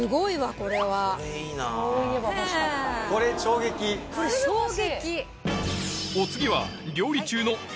これ衝撃！